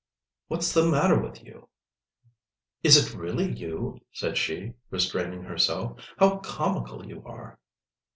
"What's the matter with you?" "Is it really you?" said she, restraining herself. "How comical you are!"